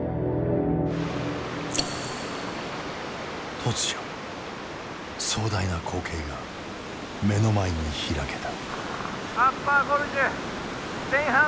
突如壮大な光景が目の前に開けた。